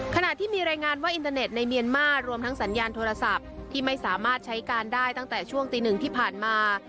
ขณะที่มีรายงานว่าอินเทอร์เน็ตในเมียนมาร์รวมทั้งสัญญาณโทรศัพท์ที่ไม่สามารถใช้การได้ตั้งแต่ช่วงตีหนึ่งที่ผ่านมา